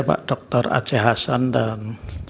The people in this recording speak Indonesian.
pak dr aceh hasan dan